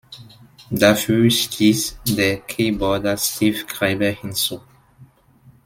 Dafür stieß der Keyboarder Steve Graeber hinzu.